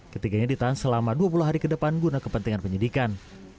ketiganya ditahan selama dua puluh hari ke depan guna kepentingan penyidikan